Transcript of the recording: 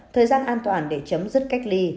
thời gian an toàn để chấm dứt cách ly